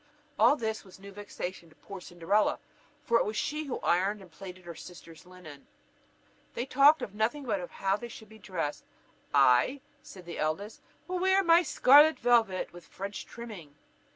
All this was new vexation to poor Cinderella, for it was she who ironed and plaited her sisters' linen. They talked of nothing but how they should be dressed: "I," said the eldest, "will wear my scarlet velvet with French trimming."